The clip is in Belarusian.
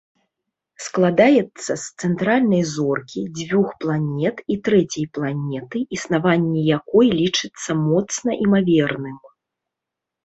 Складаецца з цэнтральнай зоркі, дзвюх планет, і трэцяй планеты, існаванне якой лічыцца моцна імаверным.